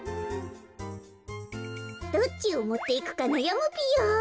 どっちをもっていくかなやむぴよ。